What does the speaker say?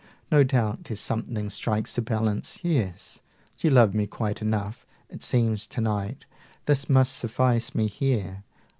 No doubt, there's something strikes a balance. Yes, You loved me quite enough, it seems tonight. This must suffice me here.